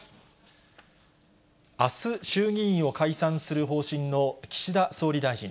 あす、衆議院を解散する方針の岸田総理大臣。